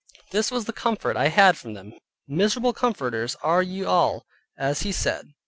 This was the comfort I had from them, miserable comforters are ye all, as he said.